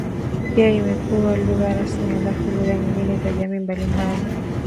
pia imekuwa lugha rasmi halafu lugha nyingine za jamii mbalimbali